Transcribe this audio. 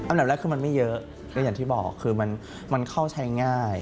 อันดับแรกคือมันไม่เยอะและอย่างที่บอกคือมันเข้าใช้ง่าย